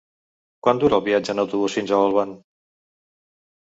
Quant dura el viatge en autobús fins a Olvan?